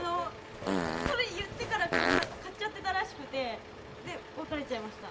言ってから買っちゃってたらしくて別れちゃいました。